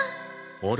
あれ？